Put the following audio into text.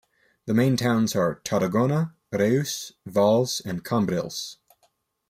The main towns are Tarragona, Reus, Valls and Cambrils.